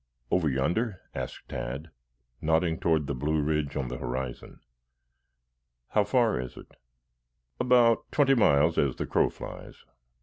"Over yonder?" asked Tad, nodding toward the dark blue ridge on the horizon. "How far it it?" "About twenty miles as the crow flies."